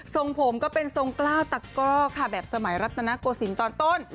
ทรงผมก็เป็นทรงกล้าวตะก้อค่ะแบบสมัยรัตนโกศิลป์ตอนต้น